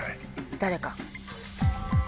誰か。